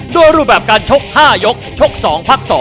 รูปแบบการชก๕ยกชก๒พัก๒